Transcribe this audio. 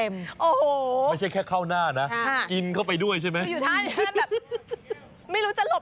ไม่ใช่แค่ข้าวหน้านะกินเข้าไปด้วยใช่ไหม